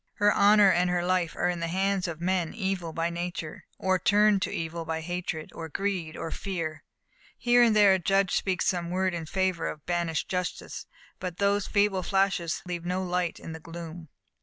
Her honour and her life are in the hands of men evil by nature, or turned to evil by hatred, or greed, or fear. Here and there a judge speaks some word in favour of banished justice, but those feeble flashes leave no light in the gloom.